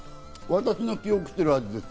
私の記憶してる味です。